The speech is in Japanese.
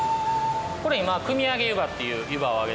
これ今汲みあげ湯葉っていう湯葉をあげてます。